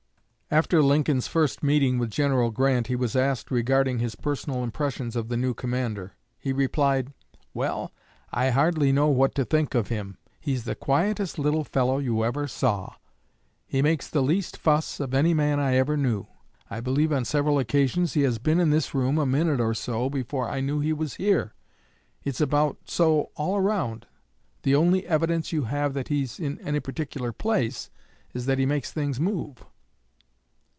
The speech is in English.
After Lincoln's first meeting with General Grant he was asked regarding his personal impressions of the new commander. He replied, "Well, I hardly know what to think of him. He's the quietest little fellow you ever saw. He makes the least fuss of any man I ever knew. I believe on several occasions he has been in this room a minute or so before I knew he was here. It's about so all around. The only evidence you have that he's in any particular place is that he makes things move."